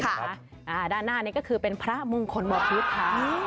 ด้านหน้านี้ก็คือพระมุงคนหมอพุธ่ะ